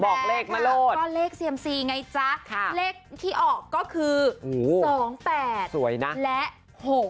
บอกเลขมาโลดก็เลขเซียมซีไงจ๊ะเลขที่ออกก็คือสองแปดสวยนะและหก